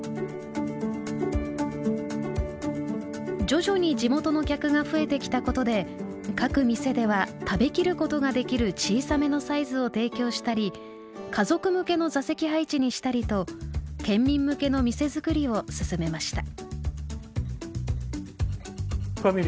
徐々に地元の客が増えてきたことで各店では食べきることができる小さめのサイズを提供したり家族向けの座席配置にしたりと県民向けの店づくりを進めました。